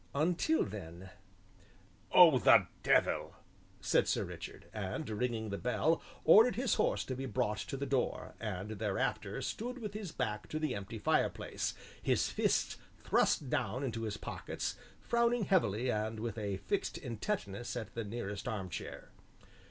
"Until then " "Oh, the devil!" said Sir Richard, and ringing the bell ordered his horse to be brought to the door, and thereafter stood with his back to the empty fireplace, his fists thrust down into his pockets, frowning heavily and with a fixed intentness at the nearest armchair.